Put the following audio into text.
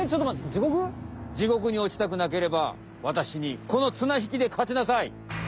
地獄に落ちたくなければわたしにこのつなひきでかちなさい！